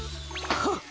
はっ！